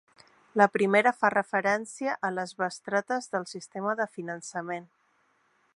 La primera fa referència a les bestretes del sistema de finançament.